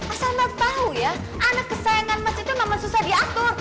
asal mas tau ya anak kesayangan mas itu memang susah diatur